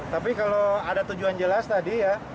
tapi kalau ada tujuan jelas tadi ya